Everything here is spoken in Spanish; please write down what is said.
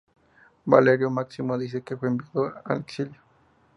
Valerio Máximo dice que fue enviado al exilio.